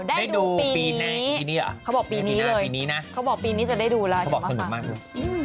ได้ดูปีนี้บอกปีนี้เลยนะเขาบอกปีนี้จะได้ดูละเดี๋ยวมาบอก